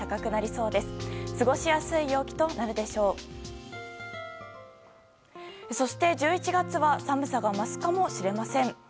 そして、１１月は寒さが増すかもしれません。